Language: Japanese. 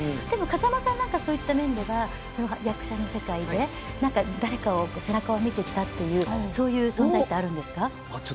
でも、風間さんはそういった面では役者の世界で誰かの背中を見てきたというそういう存在ってあるんですか？